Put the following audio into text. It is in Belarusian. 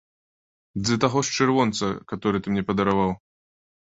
Ды за таго ж чырвонца, каторы ты мне падараваў!